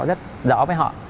rất rõ với họ